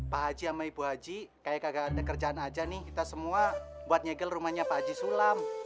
pak haji sama ibu haji kayak ada kerjaan aja nih kita semua buat nyegel rumahnya pak haji sulam